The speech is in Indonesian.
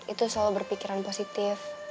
itu selalu berpikiran positif